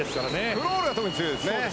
クロールが特に強いですね。